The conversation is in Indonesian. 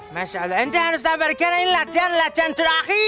masya allah ente harus sabar karena ini latihan latihan terakhir